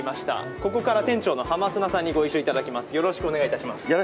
ここから店長の浜砂さんにご一緒いただきます。